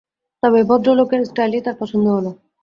তবে এই ভদ্র লোকের স্টাইলটি তার পছন্দ হলো।